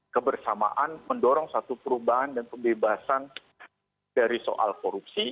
kebersamaan mendorong satu perubahan dan pembebasan dari soal korupsi